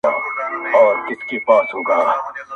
زه کرۍ ورځ په درنو بارونو بار یم؛